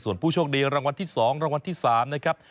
ส่วนผู้โชคดีรางวัลที่๒รางวัลที่๓นะครับ